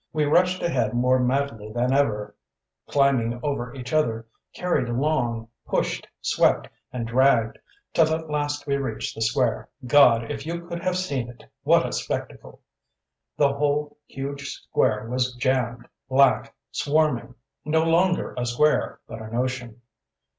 We rushed ahead more madly than ever; climbing over each other, carried along, pushed, swept, and dragged, till at last we reached the square. God, if you could have seen it! What a spectacle! The whole huge square was jammed, black, swarming; no longer a square, but an ocean.